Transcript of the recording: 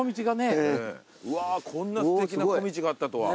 うわーこんなすてきな小道があったとは。